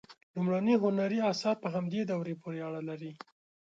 لومړني هنري آثار په همدې دورې پورې اړه لري.